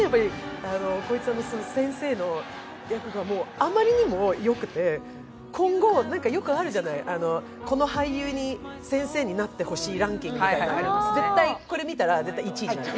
浩市さんの先生の役があまりにもよくて、今後、よくあるじゃない、この俳優に先生になってほしいランキング、絶対、これ見たら１位になる。